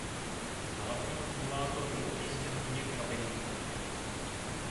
Hlavní akumulátor byl umístěn vně kabiny.